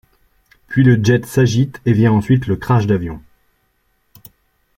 Puis le jet s'agite et vient ensuite le crash d'avion.